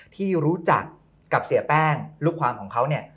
ที่รู้จักกับเสียแป้งลูกความของเขาเนี่ย